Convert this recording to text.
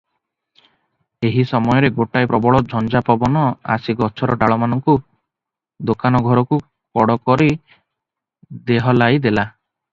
ଏହି ସମୟରେ ଗୋଟାଏ ପ୍ରବଳ ଝଞ୍ଜା ପବନ ଆସି ଗଛର ଡାଳମାନଙ୍କୁ ଦୋକାନ ଘରକୁ କଡ଼କରି ଦେହଲାଇଦେଲା ।